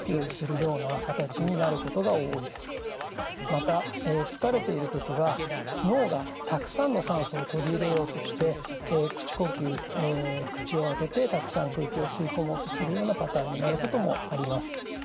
また疲れている時は脳がたくさんの酸素を取り入れようとして口呼吸口を開けてたくさん空気を吸い込もうとするようなパターンになることもあります。